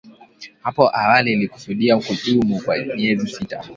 Hapo awali ilikusudia kudumu kwa miezi sita